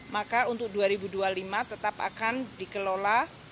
maka untuk dua ribu dua puluh lima tetap akan dikelola